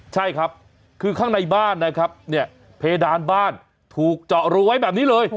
ใช่ครับคือข้างในบ้านนะครับเนี่ยเพดานบ้านถูกเจาะรูไว้แบบนี้เลย